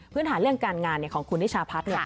หาเรื่องการงานของคุณนิชาพัฒน์